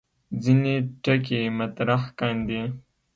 ځینې ټکي مطرح کاندي.